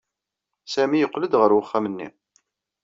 Sami yeqqel-d ɣer uxxam-nni.